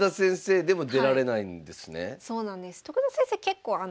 そうなんです。